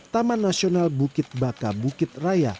taman nasional bukit baka bukit raya